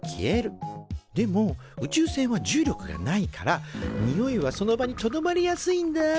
でも宇宙船は重力がないからにおいはその場にとどまりやすいんだ。